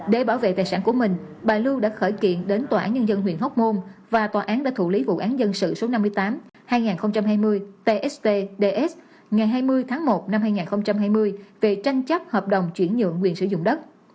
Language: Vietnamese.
để bảo vệ tài sản của mình bà lưu đã khởi kiện đến tòa án nhân dân huyện hóc môn và tòa án đã thủ lý vụ án dân sự số năm mươi tám hai nghìn hai mươi tst ds ngày hai mươi tháng một năm hai nghìn hai mươi về tranh chấp hợp đồng chuyển nhượng quyền sử dụng đất